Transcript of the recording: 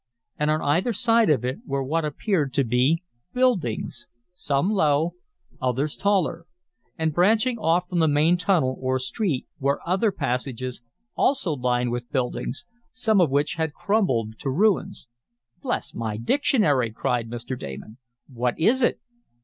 And on either side of it were what appeared to be buildings, some low, others taller. And, branching off from the main tunnel, or street, were other passages, also lined with buildings, some of which had crumbled to ruins. "Bless my dictionary!" cried Mr. Damon. "What is it?"